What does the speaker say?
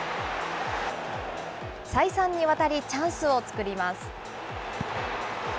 再三にわたりチャンスを作ります。